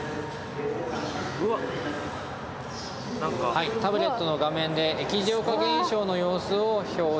はいタブレットの画面で液状化現象の様子を表示しています。